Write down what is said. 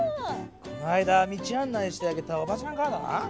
こないだ道あん内してあげたおばちゃんからだな。